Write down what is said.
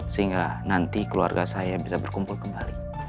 sehingga nanti keluarga saya bisa berkumpul kembali